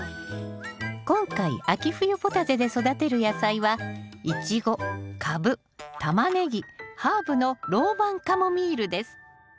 今回秋冬ポタジェで育てる野菜はイチゴカブタマネギハーブのローマンカモミールです